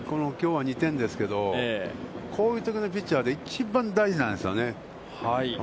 ６、７で１点負けてる場面で、きょうは２点ですけど、こういうときのピッチャーって、一番大事なんですよね。